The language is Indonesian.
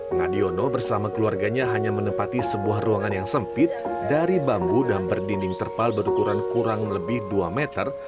ngadiono bersama keluarganya hanya menempati sebuah ruangan yang sempit dari bambu dan berdinding terpal berukuran kurang lebih dua meter